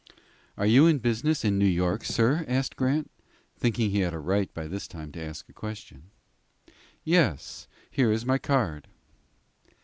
"Are you in business in New York, sir?" asked Grant, thinking he had a right by this time to ask a question. "Yes; here is my card."